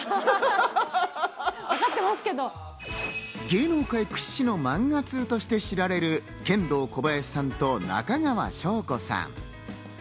芸能界屈指のマンガ通として知られるケンドーコバヤシさんと中川翔子さん。